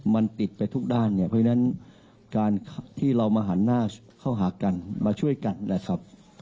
มันติดไปทุกด้านเนี่ยเพราะฉะนั้นการที่เรามาหันหน้าเข้าหากันมาช่วยกันนะครับ